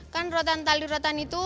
kan rotan tali rotan itu